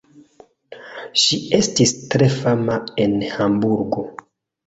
Ŝi estis tre fama en Hamburgo.